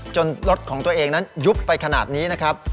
รถของตัวเองนั้นยุบไปขนาดนี้นะครับ